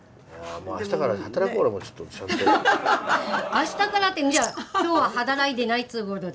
あしたからってじゃあ今日は働いてないっつう事で？